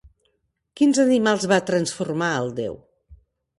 Quins animals va transformar el déu?